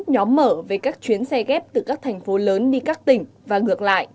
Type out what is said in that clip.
nhóm mở về các chuyến xe ghép từ các thành phố lớn đi các tỉnh và ngược lại